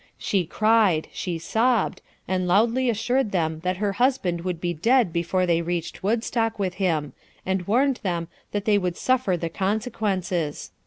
She cried, she sobbed, and loudly assured them that her husband would be dead before they reached Woodstock with him, and warned them that they would suffer the consequences.